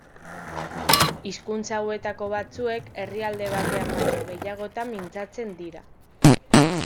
Hizkuntza hauetako batzuek herrialde batean baino gehiagotan mintzatzen dira.